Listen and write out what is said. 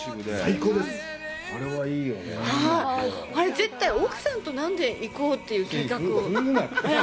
絶対奥さんと何で行こうという計画を。